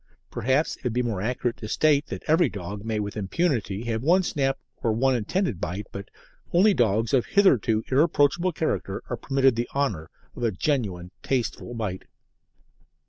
Perhaps it would be more accurate to state that every dog may with impunity have one snap or one intended bite, but only dogs of hitherto irreproachable character are permitted the honour of a genuine tasteful bite.